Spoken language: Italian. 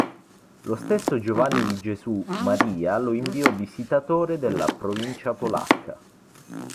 Lo stesso Giovanni di Gesù Maria lo inviò Visitatore della Provincia Polacca.